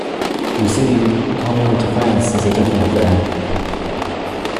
You see, coming into France is a different affair.